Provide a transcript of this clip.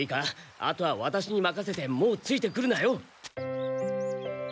あとはワタシに任せてもうついてくるなよ。